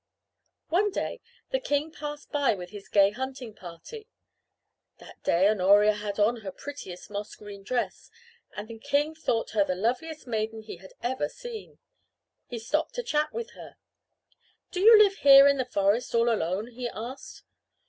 One day the king passed by with his gay hunting party. That day Honoria had on her prettiest moss green dress and the king thought her the loveliest maiden he had ever seen. He stopped to chat with her. "Do you live here in the forest all alone?" he asked.